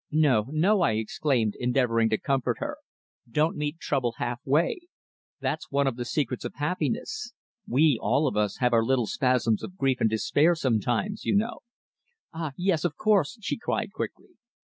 "No, no," I exclaimed, endeavouring to comfort her, "don't meet trouble half way. That's one of the secrets of happiness. We all of us have our little spasms of grief and despair sometimes, you know." "Ah! yes, of course," she cried quickly.